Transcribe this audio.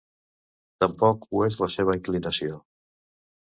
Tampoc ho és la seva inclinació.